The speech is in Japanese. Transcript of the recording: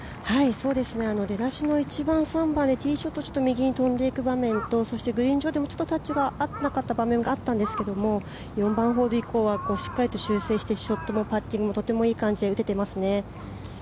出だしの１番、３番でティーショットが右に飛んでいく場面とグリーン上でタッチが合ってなかった場面があったんですけど４番ホール以降はしっかりと修正してパッティングもショットもとてもいい感じで打てていますね。